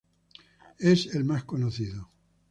Es el más conocido.